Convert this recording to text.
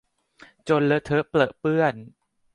จนเลอะเทอะเปรอะเปื้อน